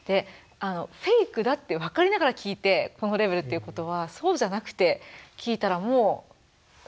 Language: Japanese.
フェイクだって分かりながら聞いてこのレベルっていうことはそうじゃなくて聞いたらもうノックアウトですよね